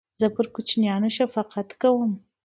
زه پر کوچنیانو شفقت کوم.